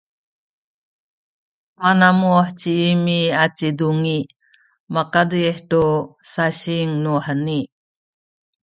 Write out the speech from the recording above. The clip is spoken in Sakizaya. manamuh ci Imi aci Dungi makazih tu syasing nuheni.